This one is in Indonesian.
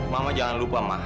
mama jangan lupa ma